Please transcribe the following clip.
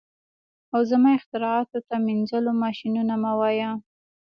او زما اختراعاتو ته مینځلو ماشینونه مه وایه